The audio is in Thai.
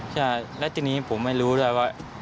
ใช่แล้วทีนี้ผมไม่รู้ด้วยว่า